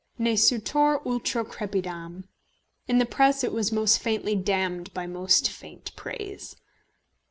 Ne sutor ultra crepidam. In the press it was most faintly damned by most faint praise.